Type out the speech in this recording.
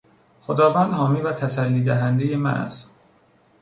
خداوند حامی و تسلی دهندهی من است.